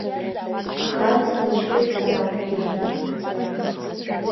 Ахаҵа ишьхәа даақәгьежьит.